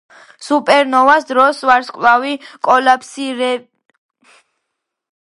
სუპერნოვას დროს ვარსკვლავი კოლაფსირდება და ნეიტრონულ ვარსკვლავად გარდაიქმნება, რომლის მაგნიტური ველი დრამატულად ძლიერდება.